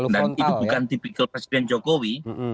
dan itu bukan tipikal presiden jokowi